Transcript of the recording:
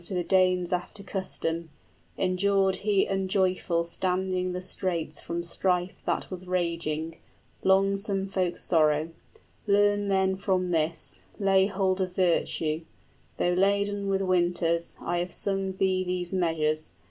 } 70 To the Danes after custom; endured he unjoyful Standing the straits from strife that was raging, Longsome folk sorrow. Learn then from this, Lay hold of virtue! Though laden with winters, I have sung thee these measures.